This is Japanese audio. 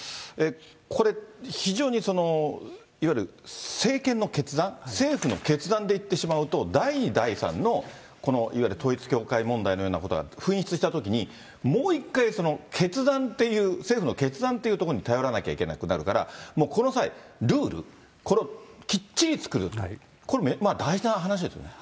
これ、非常にいわゆる政権の決断、政府の決断でいってしまうと、第２、第３のいわゆる統一教会問題のようなことが噴出したときに、もう一回、決断っていう、政府の決断というところに頼らなきゃいけなくなるから、もうこの際、ルール、これをきっちり作る、これ、大事な話ですよね。